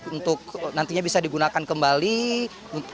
untuk nantinya bisa digunakan kembali kepada warga